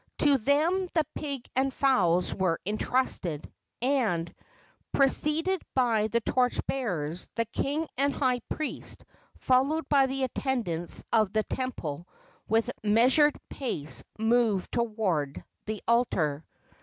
To them the pig and fowls were entrusted, and, preceded by the torch bearers, the king and high priest, followed by the attendants of the temple, with measured pace moved toward the altar.